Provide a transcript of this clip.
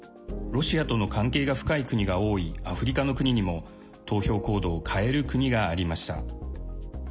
ロシアとの関係が深い国が多いアフリカの国にも投票行動を変える国がありました。